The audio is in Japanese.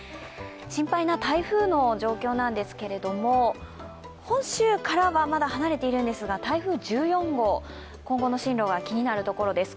心配な台風の状況なんですけれども、本州からは、まだ離れているんですが台風１４号今後の進路が気になるところです。